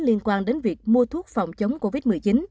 liên quan đến việc mua thuốc phòng chống covid một mươi chín